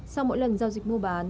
sau mỗi lần giao dịch mua bán